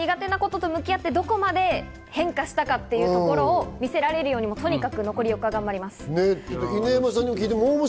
自分が逃げることと向き合って、どこまで変化したかというところを見せられるように残り４日間、頑張ります。